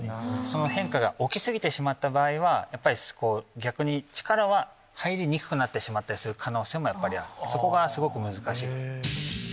その変化が起き過ぎてしまった場合は逆に力は入りにくくなってしまったりする可能性もやっぱりあるそこがすごく難しいところ。